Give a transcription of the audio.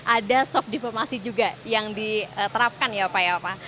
ada soft diplomacy juga yang diterapkan ya pak